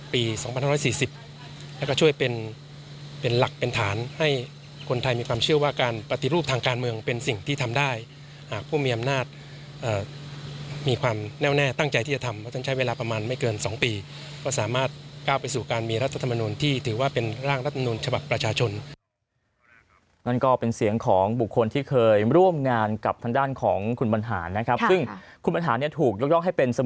เป็นหลักเป็นฐานให้คนไทยมีความเชื่อว่าการปฏิรูปทางการเมืองเป็นสิ่งที่ทำได้หากผู้มีอำนาจมีความแน่วแน่ตั้งใจที่จะทำก็จะใช้เวลาประมาณไม่เกินสองปีก็สามารถก้าวไปสู่การมีรัฐสัตว์ธรรมนุนที่ถือว่าเป็นร่างรัฐสัตว์ธรรมนุนฉบับประชาชนนั่นก็เป็นเสียงของบุคคลที่เคยร่วมงานกั